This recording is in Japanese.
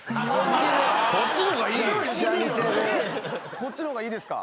こっちの方がいいですか？